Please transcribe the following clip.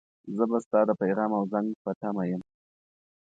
زه به ستا د پیغام او زنګ په تمه یم.